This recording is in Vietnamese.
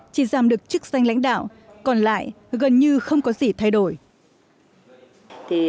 chỉ giảm được chức danh lãnh đạo còn lại gần như không có gì thay đổi